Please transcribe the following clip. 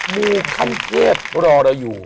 มูคันเกียจรอเราอยู่